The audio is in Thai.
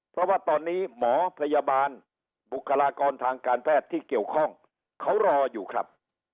เพราะว่าตอนนี้หมอพยาบาลบุคลากรทางการแพทย์ที่เกี่ยวข้องเขารออยู่ครับ